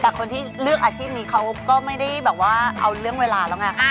แต่คนที่เลือกอาชีพนี้เขาก็ไม่ได้แบบว่าเอาเรื่องเวลาแล้วไง